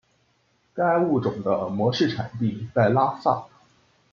该物种的模式产地在拉萨。